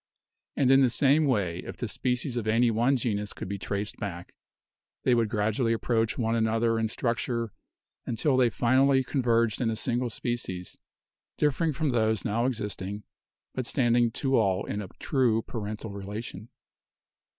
And in the same way if the species of any one genus could be traced back they would gradually approach one another in structure until they finally converged in a single species, differing from those now existing but standing to all in a true parental relation.